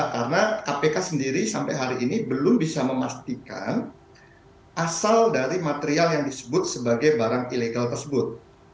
karena kpk sendiri sampai hari ini belum bisa memastikan asal dari material yang disebut sebagai barang ilegal tersebut